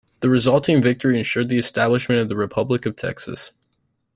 The resulting victory ensured the establishment of the Republic of Texas.